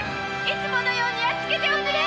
いつものようにやっつけておくれ！